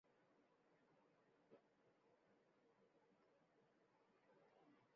প্রশাসনের সমর্থনেই সরকার-সমর্থিত প্রার্থীর কর্মী-সমর্থকেরা নির্বিঘ্নে ভোটকেন্দ্র দখল করে ব্যালটে সিল মেরেছেন।